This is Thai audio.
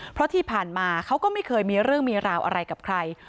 เพราะที่ผ่านมาเขาก็ไม่เคยมีเรื่องมีราวอะไรกับใคร